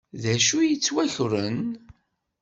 Dacu i yettwakren?